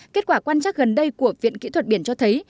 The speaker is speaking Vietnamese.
kết quả quan trắc gần đây của viện kỹ thuật biển cho thấy